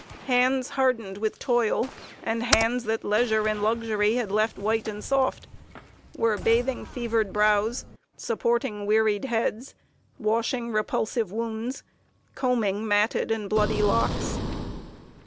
Hands hardened with toil, and hands that leisure and luxury left white and soft, were bathing fevered brows, supporting wearied heads, washing repulsive wounds, combing matted and bloody locks.